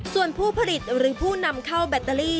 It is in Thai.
ส่วนผู้ผลิตหรือผู้นำเข้าแบตเตอรี่